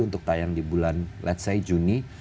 untuk tayang di bulan let's say juni